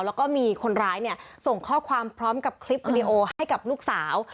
แล้วก็มีคนร้ายเนี่ยส่งข้อความพร้อมกับคลิปวิดีโอให้กับลูกสาว